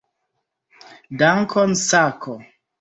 Dankon, Sako!